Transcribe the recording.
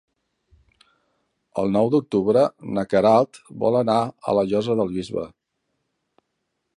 El nou d'octubre na Queralt vol anar a la Llosa del Bisbe.